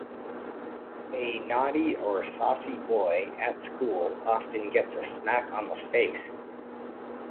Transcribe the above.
A naughty or saucy boy, at school, often gets a smack on the face.